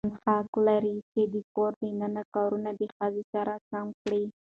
خاوند حق لري د کور دننه کارونه د ښځې سره سم کړي.